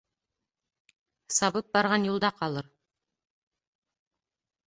Сабып барған юлда ҡалыр.